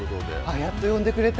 やっと呼んでくれた。